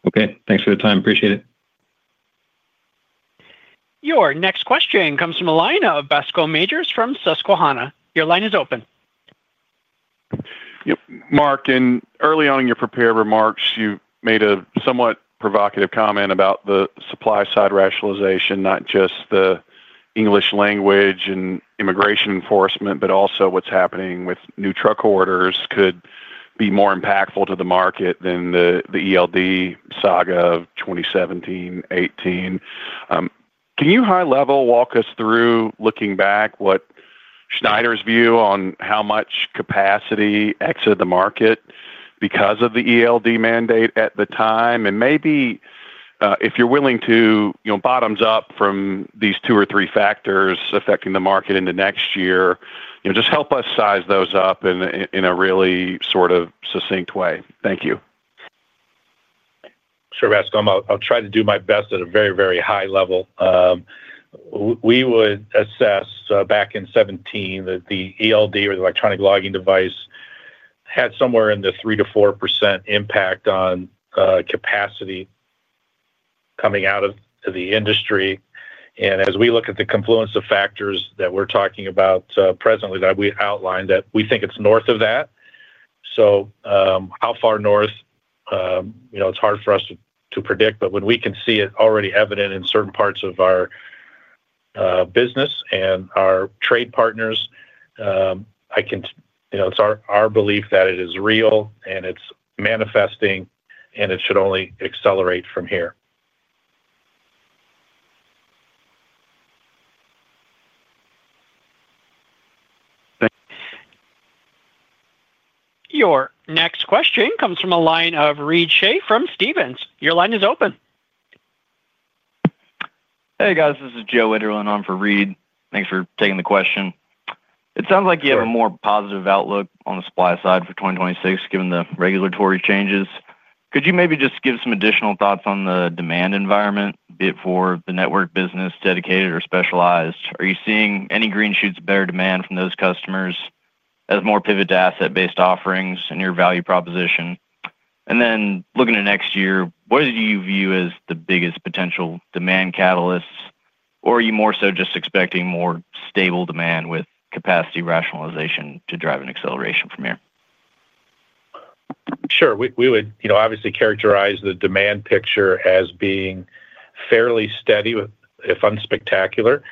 K: Okay, thanks for the time. Appreciate it.
A: Your next question comes from Bascome Majors from Susquehanna. Your line is open.
L: Mark, early on in your prepared remarks, you made a somewhat provocative comment about. The supply-side rationalization. Not just the English language and immigration enforcement, but also what's happening with new. Truck orders could be more impactful too. The market than the ELD saga of 2017, 2018. Can you high level walk us through. Looking back, what is Schneider's view on how. Much capacity exited the market because of. The ELD mandate at the time. Maybe if you're willing to bottom up. These two or three factors affecting the market into next year just help us size those up in a really. Thank you.
C: Sure, Bascome. I'll try to do my best at a very, very high level. We would assess back in 2017 that the ELD or the electronic logging device had somewhere in the 3%-4% impact on capacity coming out of the industry. As we look at the confluence of factors that we're talking about presently that we outlined, we think it's north of that. How far north? It's hard for us to predict, but we can see it already evident in certain parts of our business and our trade partners. It's our belief that it is real and it's manifesting, and it should only accelerate from here.
L: Thanks.
A: Your next question comes from a line of Reed Seay from Stephens. Your line is open.
M: Hey guys, this is Joe Ederlin. I'm for Reed. Thanks for taking the question. It sounds like you have a more positive outlook on the supply side for 2026, given the regulatory changes. Could you maybe just give some additional thoughts on the demand environment for the network business, Dedicated or specialized? Are you seeing any green shoots, better demand from those customers as more pivot to asset based offerings and your value proposition, and then looking to next year, what do you view as the biggest potential demand catalysts or are you more so just expecting more stable demand with capacity rationalization to drive an acceleration from here?
C: Sure. We would obviously characterize the demand picture as being fairly steady, if unspectacular.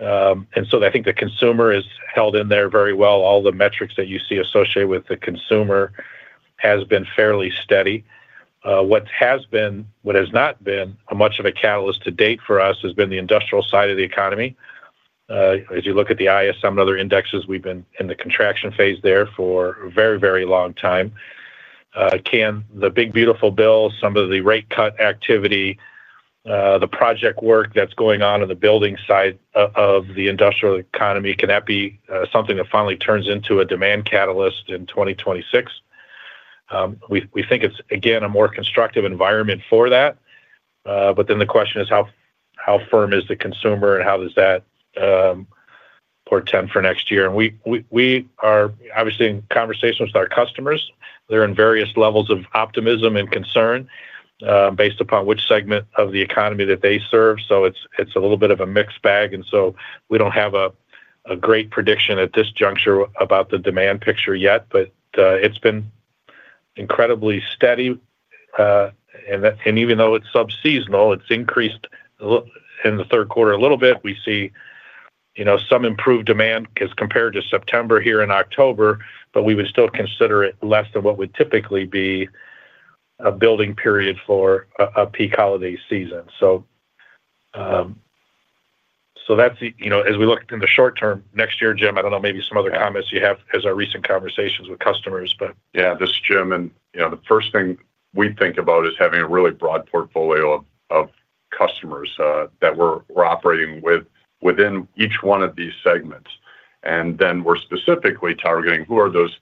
C: I think the consumer has held in there very well. All the metrics that you see associated with the consumer have been fairly steady. What has not been much of a catalyst to date for us has been the industrial side of the economy. As you look at the ISM and other indexes, we've been in the contraction phase there for a very, very long time. Can the big beautiful bill, some of the rate cut activity, the project work that's going on in the building side of the industrial economy, can that be something that finally turns into a demand catalyst in 2026? We think it's again a more constructive environment for that. The question is how firm is the consumer and how does that portend for next year? We are obviously in conversations with our customers. They're in various levels of optimism and concern based upon which segment of the economy that they serve. It's a little bit of a mixed bag. We don't have a great prediction at this juncture about the demand picture yet, but it's been incredibly steady. Even though it's sub seasonal, it's increased in the third quarter a little bit. We see some improved demand as compared to September here in October, but we would still consider it less than what would typically be a building period for a peak holiday season. So. That's as we look in the short term next year. Jim, I don't know, maybe some other comments you have as our recent conversations with customers.
G: This is Jim. The first thing we think about is having a really broad portfolio of customers that we're operating with within each one of these segments. We're specifically targeting who are those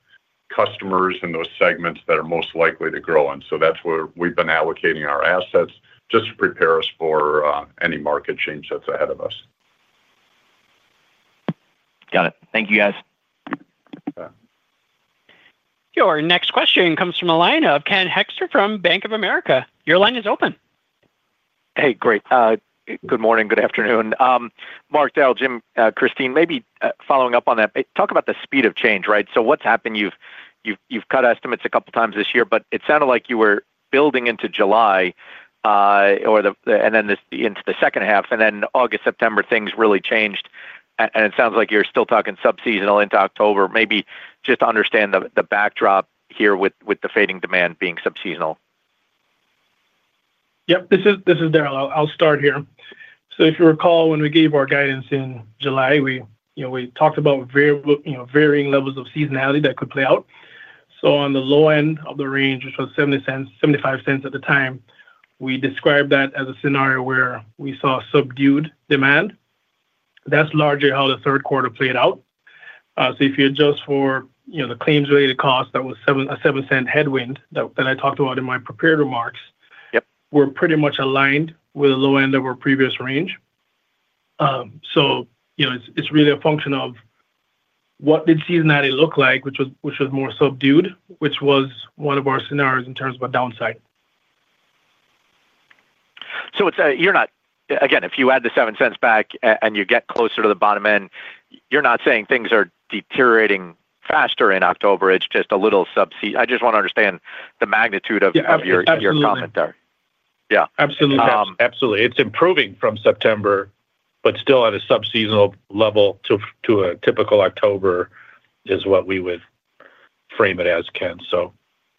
G: customers and those segments that are most likely to grow. That's where we've been allocating our assets just to prepare us for any market change that's ahead of us.
M: Got it. Thank you, guys.
A: Your next question comes from the line of Ken Hoexter from Bank of America. Your line is open.
N: Hey, great. Good morning. Good afternoon, Mark, Darrell, Jim, Christyne. Maybe following up on that talk about the speed of change. Right. What's happened? You've cut estimates a couple times this year, but it sounded like you were building into July or the, and then into the second half and then August, September, things really changed. It sounds like you're still talking subseasonal into October. Maybe just understand the backdrop here with the fading demand being sub seasonal.
D: This is Darrell, I'll start here. If you recall when we gave our guidance in July, we talked about varying levels of seasonality that could play out. On the low end of the range, which was $0.70, $0.75 at the time, we described that as a scenario where we saw subdued demand. That's largely how the third quarter played out. If you adjust for the claims-related costs that was a $0.07 headwind that I talked about in my prepared remarks, we're pretty much aligned with the low end of our previous range. It's really a function of what did seasonally look like, which was more subdued, which was one of our scenarios in terms of downside.
N: You're not, again, if you add the $0.07 back and you get closer to the bottom end, you're not saying things are deteriorating faster in October. It's just a little subseasonal. I just want to understand the magnitude of your commentary.
C: Yeah, absolutely. It's improving from September but still at a sub seasonal level to a typical October is what we would frame it as. Ken,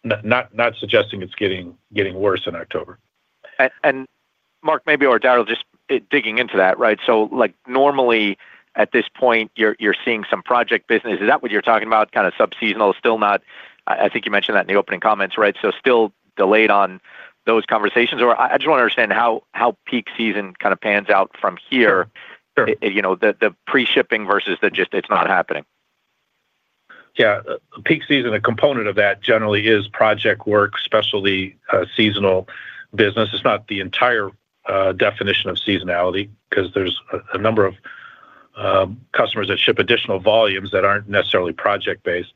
C: not suggesting it's getting worse in October
N: And Mark maybe or Darrell, just digging into that. Right. Normally at this point you're seeing some project business, is that what you're talking about? Kind of sub seasonal. Still not. I think you mentioned that in the opening comments. Right. Still delayed on those conversations. I just want to understand how peak season kind of pans out from here. You know, the pre shipping versus the just. It's not happening.
C: Yeah, peak season. A component of that generally is project work, specialty seasonal business. It's not the entire definition of seasonality because there's a number of customers that ship additional volumes that aren't necessarily project based.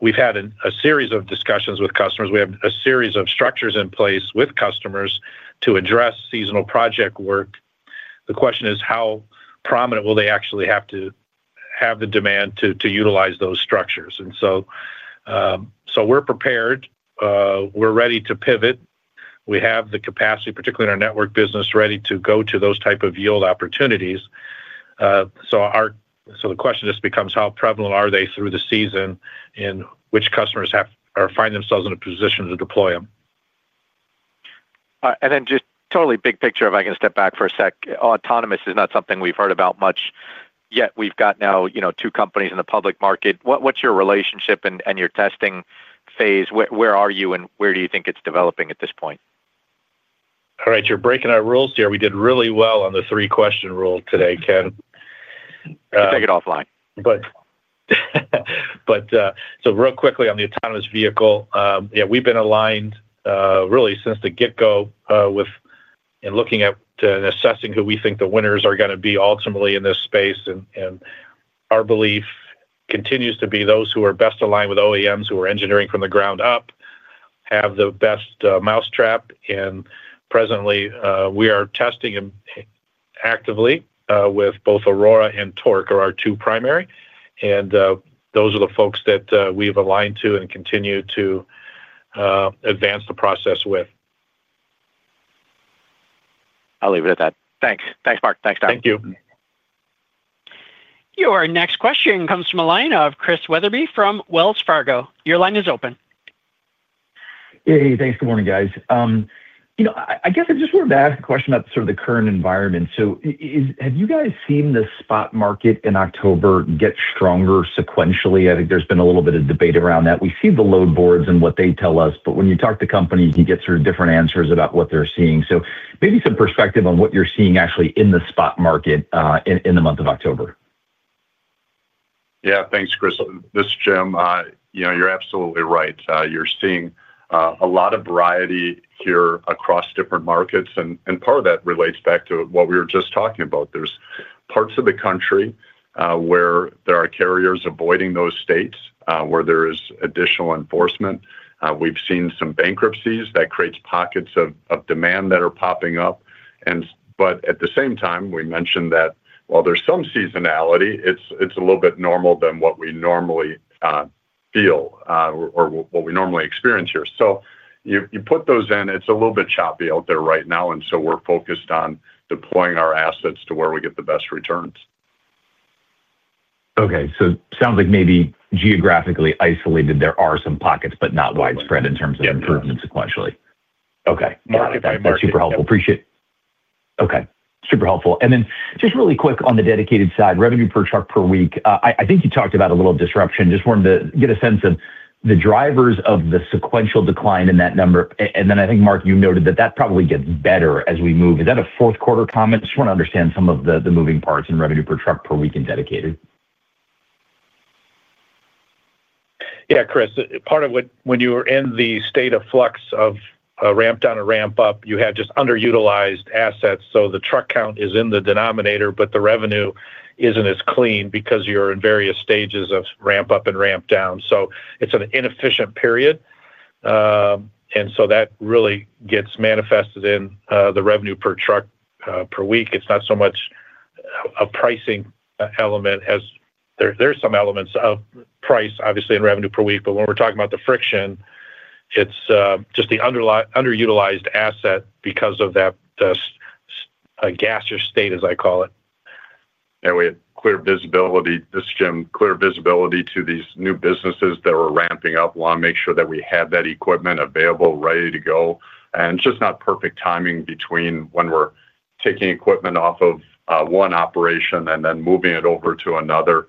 C: We've had a series of discussions with customers, we have a series of structures in place with customers to address seasonal project work. The question is how prominent will they actually have to have the demand to utilize those structures. We're prepared, we're ready to pivot. We have the capacity, particularly in our network business, ready to go to those type of yield opportunities. So our. The question just becomes how prevalent are they through the season in which customers find themselves in a position to deploy them,
N: And then just totally big picture. If I can step back for a sec, autonomous is not something we've heard about much yet. We've got now, you know, two companies in the public market. What's your relationship and your testing phase? Where are you and where do you think it's developing at this point?
C: All right, you're breaking our rules here. We did really well on the three question rule today. Ken, take it offline. Real quickly on the autonomous vehicle, we've been aligned really since the get go with and looking at assessing who we think the winners are going to be ultimately in this space. Our belief continues to be those who are best aligned with OEMs, who are engineering from the ground up, have the best mousetrap. Presently we are testing actively with both Aurora and Torc, our two primary, and those are the folks that we've aligned to and continue to advance the process with.
N: I'll leave it at that. Thanks. Thanks Mark.
C: Thank you.
A: Your next question comes from a line of Chris Wetherbee from Wells Fargo. Your line is open.
O: Hey, thanks. Good morning, guys. I just wanted to ask a question about the current environment. Have you guys seen the spot market in October get stronger sequentially? I think there's been a little bit of debate around that. We see the load boards and what they tell us, but when you talk to companies, you get different answers about what they're seeing. Maybe some perspective on what you're seeing actually in the spot market in the month of October.
G: Yeah, thanks, Chris. This is Jim. You know, you're absolutely right. You're seeing a lot of variety here across different markets. Part of that relates back to what we were just talking about. There are parts of the country where there are carriers avoiding those states where there is additional enforcement. We've seen some bankruptcies that creates pockets of demand that are popping up. At the same time, we mentioned that while there's some seasonality, it's a little bit more normal than what we normally feel or what we normally experience here. You put those in, it's a little bit choppy out there right now. We're focused on deploying our assets to where we get the best returns.
O: Okay, so sounds like maybe geographically isolated, there are some pockets, but not widespread in terms of improvement sequentially. Okay, that's super helpful. Appreciate. Okay, super helpful. And then just really quick on the Dedicated side, revenue per truck per week, I think you talked about a little disruption. Just wanted to get a sense of the drivers of the sequential decline in that number. And then I think, Mark, you noted that that probably gets better as we move. Is that a fourth quarter comment? Just want to understand some of the moving parts in revenue per truck per week and Dedicated.
C: Yeah, Chris, part of what, when you were in the state of flux, of ramp down, a ramp up, you had just underutilized assets. So the truck count is in the denominator, but the revenue isn't as clean because you're in various stages of ramp up and ramp down. It's an inefficient period, and that really gets manifested in the revenue per truck per week. It's not so much a pricing element as there are some elements of price, obviously in revenue per week. When we're talking about the friction, it's just the underutilized asset because of that gaseous state, as I call it.
G: We had clear visibility to these new businesses that are ramping up. Want to make sure that we have that equipment available ready to go and just not perfect timing between when we're taking equipment off of one operation and then moving it over to another.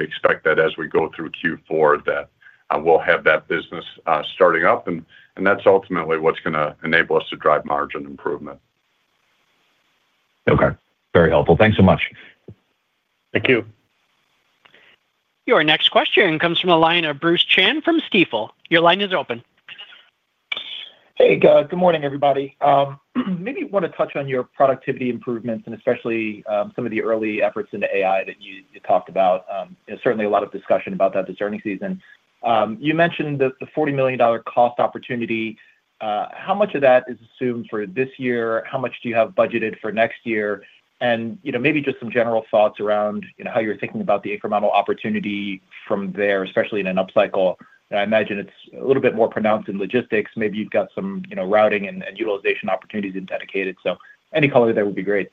G: Expect that as we go through Q4 that we'll have that business starting up and that's ultimately what's going to enable us to drive margin improvement.
O: Okay, very helpful. Thanks so much. Thank you.
A: Your next question comes from the line of Bruce Chan from Stifel. Your line is open.
P: Hey, good morning everybody. Maybe want to touch on your productivity improvements and especially some of the early efforts in the AI that you talked about. Certainly a lot of discussion about that this earnings season. You mentioned the $40 million cost opportunity. How much of that is assumed for this year? How much do you have budgeted for next year? Maybe just some general thoughts around how you're thinking about the incremental opportunity from there. Especially in an upcycle. I imagine it's a little bit more pronounced in Logistics. Maybe you've got some routing and utilization opportunities in Dedicated, so any color there would be great.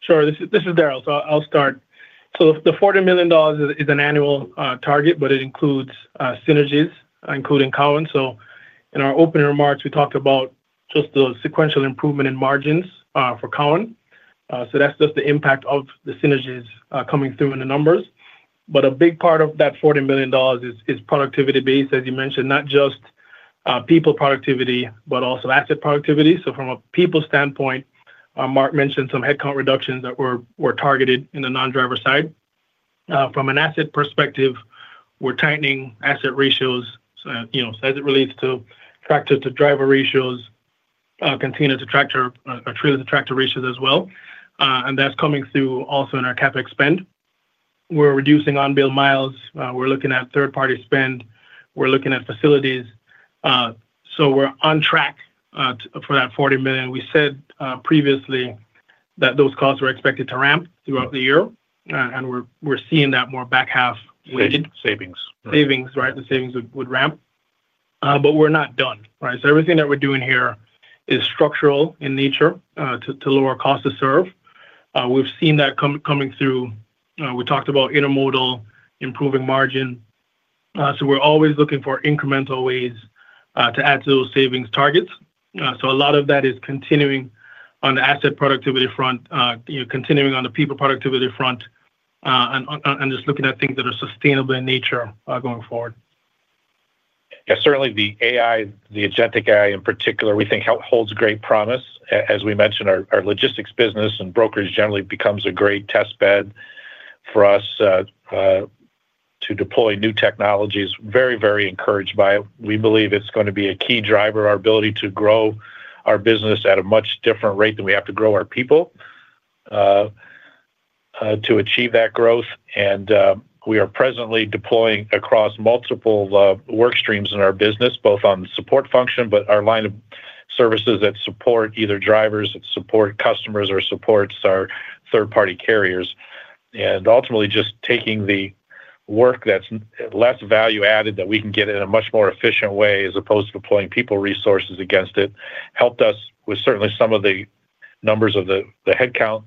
D: Sure. This is Darrell, so I'll start. The $40 million is an annual target, but it includes synergies, including Cowan. In our opening remarks we talked about just the sequential improvement in margins for Cowan. That's just the impact of the synergies coming through in the numbers. A big part of that $40 million is productivity based, as you mentioned, not just people productivity, but also asset productivity. From a people standpoint, Mark mentioned some headcount reductions that were targeted in the non-driver side. From an asset perspective, we're tightening asset ratios as it relates to tractor to driver ratios, continue to tractor trailer to tractor ratios as well. That's coming through also in our CapEx spend. We're reducing on-bill miles, we're looking at third-party spend, we're looking at facilities. We're on track for that $40 million. We said previously that those costs were expected to ramp throughout the year and we're seeing that more back half weighted savings. The savings would ramp, but we're not done. Everything that we're doing here is structural in nature to lower cost to serve. We've seen that coming through. We talked about Intermodal improving margin. We're always looking for incremental ways to add to those savings targets. A lot of that is continuing on the asset productivity front, continuing on the people productivity front and just looking at things that are sustainable in nature going forward.
C: Certainly the AI, the agentic AI in particular, we think holds great promise. As we mentioned, our Logistics business and brokers generally becomes a great test bed for us to deploy new technologies. Very, very encouraged by it. We believe it's going to be a key driver of our ability to grow our business at a much different rate than we have to grow our people to achieve that growth. We are presently deploying across multiple work streams in our business, both on support function, but our line of services that support either drivers that support customers or supports our third party carriers and ultimately just taking the work that's less value added that we can get in a much more efficient way as opposed to deploying people resources against. It helped us with certainly some of the numbers of the headcount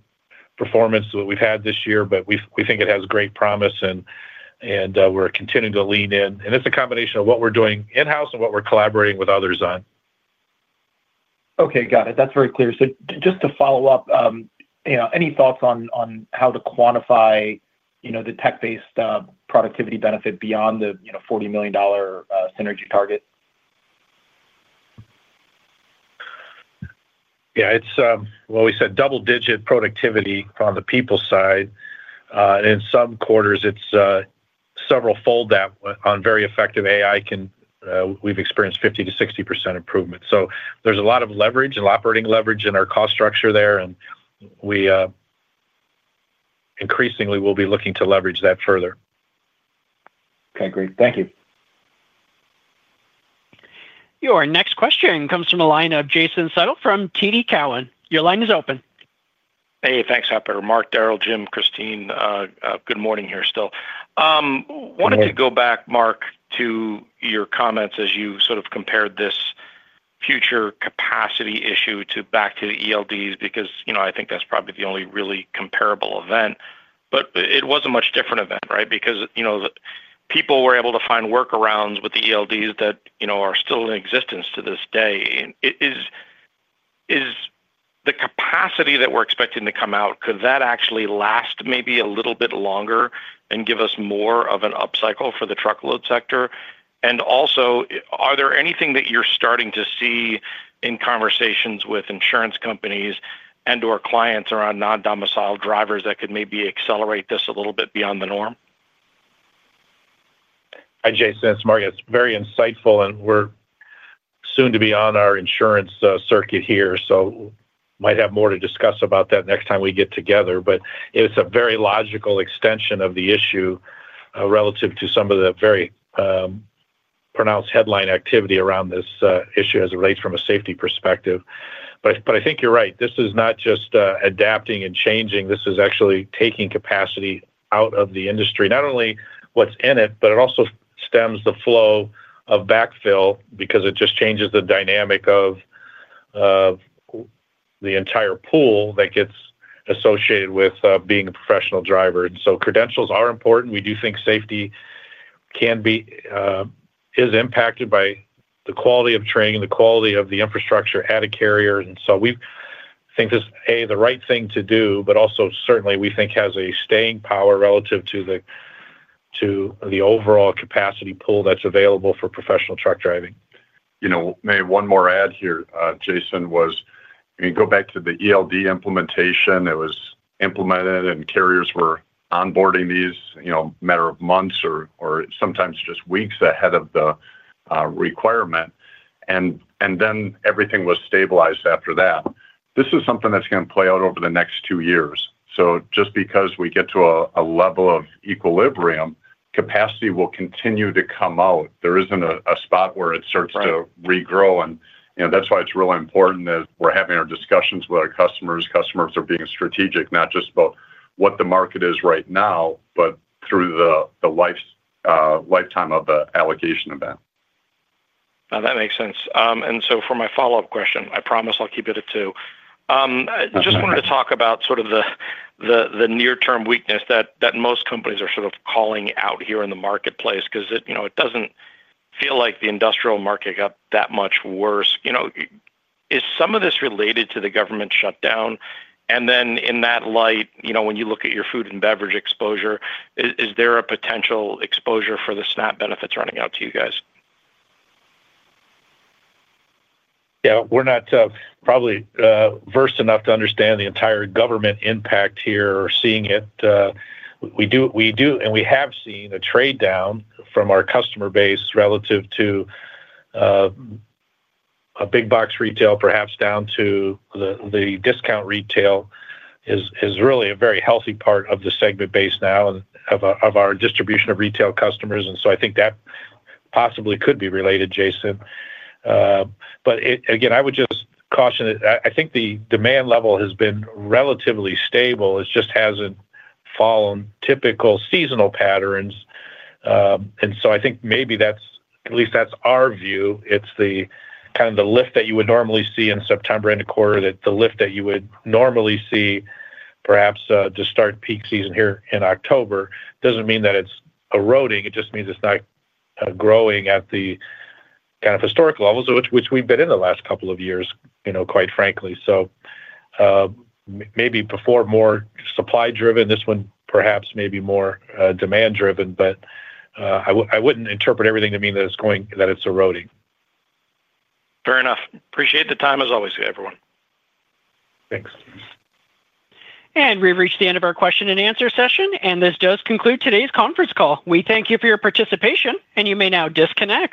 C: performance that we've had this year, but we think it has great promise and we're continuing to lean in and it's a combination of what we're doing in house and what we're collaborating with others on.
P: Okay, got it. That's very clear. Just to follow up, any thoughts on how to quantify the tech based productivity benefit beyond the $40 million synergy target?
C: It's. We said double digit productivity on the people side and in some quarters it's several fold that on very effective AI can, we've experienced 50%-60% improvement. There's a lot of leverage and operating leverage in our cost structure there and we increasingly will be looking to leverage that further.
P: Okay, great, thank you.
A: Your next question comes from the line of Jason Seidl from TD Cowen. Your line is open.
Q: Hey, thanks, Hepa. Mark, Darrell, Jim, Christyne, good morning here. Still wanted to go back, Mark, to your comments as you sort of compared this future capacity issue to back to the ELD. Because you know, I think that's probably the only really comparable event. It was a much different event, right, because you know, people were able to find workarounds with the ELD that you know are still in existence to this day. Is the capacity that we're expecting to come out, could that actually last maybe a little bit longer and give us more of an upcycle for the truckload sector? Also, are there anything that you're starting to see in conversations with insurance companies and or clients around non-domicile drivers that could maybe accelerate this a little bit beyond the norm?
C: Hi Jason, it's Mark, very insightful and we're soon to be on our insurance circuit here, so might have more to discuss about that next time we get together. It's a very logical extension of the issue relative to some of the very pronounced headline activity around this issue as it relates from a safety perspective. I think you're right. This is not just adapting and changing. This is actually taking capacity out of the industry. Not only what's in it, but it also stems the flow of backfill because it just changes the dynamic of the entire pool that gets associated with being a professional driver. Credentials are important. We do think safety is impacted by the quality of training, the quality of the infrastructure at a carrier. We think this is the right thing to do. Certainly, we think it has a staying power relative to the overall capacity pool that's available for professional truck driving.
G: You know, maybe one more add here, Jason, was go back to the ELD implementation. It was implemented and carriers were onboarding these, you know, matter of months or sometimes just weeks ahead of the requirement, and then everything was stabilized after that. This is something that's going to play out over the next two years. Just because we get to a level of equilibrium, capacity will continue to come out. There isn't a spot where it starts to regrow. That's why it's really important that we're having our discussions with our customers. Customers are being strategic not just about what the market is right now, but through the lifetime of the allocation of that.
Q: That makes sense. For my follow up question, I promise I'll keep it at two. Just wanted to talk about sort of the near term weakness that most companies are sort of calling out here in the marketplace because it doesn't feel like the industrial market got that much worse. Is some of this related to the government shutdown? In that light, when you look at your food and beverage exposure, is there a potential exposure for the SNAP running out to guys?
C: Yeah, we're not probably versed enough to understand the entire government impact here or seeing it. We have seen a trade down from our customer base relative to a big box retail, perhaps down to the discount retail, which is really a very healthy part of the segment base now and of our distribution of retail customers. I think that possibly could be related, Jason, but again I would just caution it. I think the demand level has been relatively stable. It just hasn't followed typical seasonal patterns. I think maybe that's at least that's our view. It's the kind of the lift that you would normally see in September and quarter that. The lift that you would normally see perhaps to start peak season here in October doesn't mean that it's eroding. It just means it's not growing at the kind of historic levels which we've been in the last couple of years, you know, quite frankly. Maybe before more supply driven, this one perhaps may be more demand driven, but I wouldn't interpret everything to mean that it's going, that it's eroding.
Q: Fair enough. Appreciate the time as always, everyone. Thanks.
A: We have reached the end of our question and answer session, and this does conclude today's conference call. We thank you for your participation, and you may now disconnect.